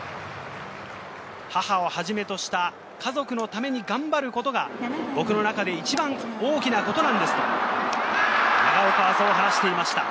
母をはじめとした家族のために頑張ることが僕の中で一番大きなことなんですと、長岡はそう話していました。